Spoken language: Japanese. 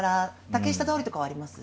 竹下通りとかはあります？